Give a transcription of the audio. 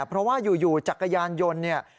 เพราะว่าอยู่จักรยานยนต์เนี่ย